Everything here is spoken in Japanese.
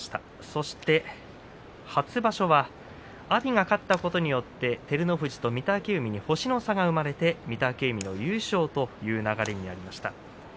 そして初場所は阿炎が勝ったことによって照ノ富士と御嶽海に星の差が生まれて御嶽海が優勝という流れになりました。